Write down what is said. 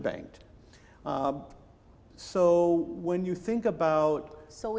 jadi berita baik